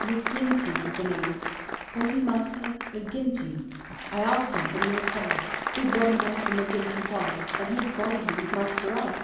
McGinty was the name Bodymaster McGinty. I asked him when he recovered who Bodymaster McGinty was, and whose body he was master of.